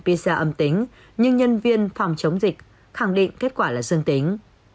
pcr âm tính nhưng nhân viên phòng chống dịch khẳng định kết quả là xương tính